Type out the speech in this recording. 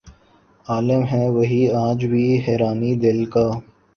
عالم ہے وہی آج بھی حیرانئ دل کا